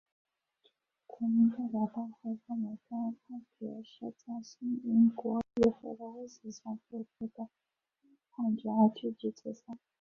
国民代表大会认为该判决是在新国民议会的威胁下所做出的判决而拒绝解散。